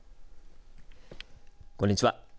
こんにちは。